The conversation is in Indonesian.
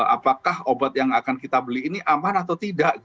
apakah obat yang akan kita beli ini aman atau tidak